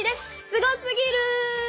すごすぎる！